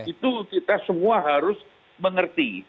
itu kita semua harus mengerti